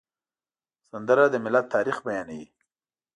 سندره د ملت تاریخ بیانوي